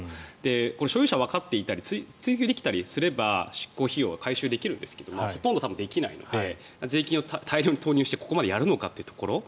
これ、所有者がわかっていたり追及できたりすると執行費用は回収できるんですがほとんどは多分できないので税金を大量に投入してここまでやるのかというところ。